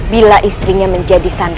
bila istrinya menjadi surakarta